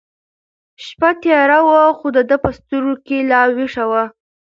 شپه تېره وه خو د ده په سترګو کې لا وېښه وه.